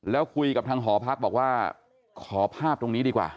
แล้วคุยกับทางหอพักบอกว่าขอภาพตรงนี้ดีกว่า